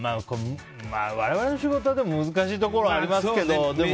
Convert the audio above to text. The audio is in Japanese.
我々の仕事は難しいところがありますけど。